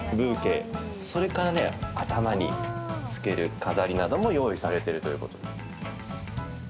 それから、頭に着ける飾りなども用意されているということで。